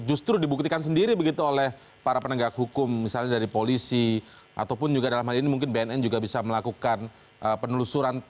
justru dibuktikan sendiri begitu oleh para penegak hukum misalnya dari polisi ataupun juga dalam hal ini mungkin bnn juga bisa melakukan penelusuran